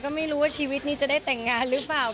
ก็ไม่รู้ว่าชีวิตนี้จะได้แต่งงานหรือเปล่า